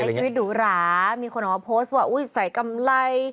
ในชวิตดูหรามีคนเอามาโพสต์บอกอุ๊ยใส่กำไร